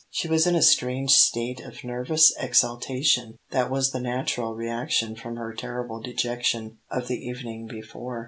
She was in a strange state of nervous exaltation that was the natural reaction from her terrible dejection of the evening before.